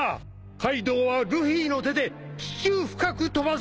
カイドウはルフィの手で地中深く飛ばされた！